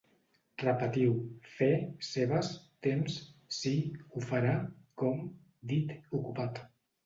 Repetiu: fer, seves, temps, si, ho farà, com, dit, ocupat